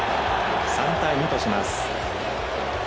３対２とします。